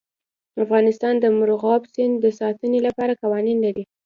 افغانستان د مورغاب سیند د ساتنې لپاره قوانین لري.